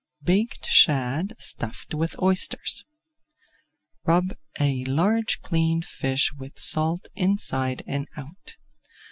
BAKED SHAD STUFFED WITH OYSTERS Rub a large cleaned fish with salt inside and out.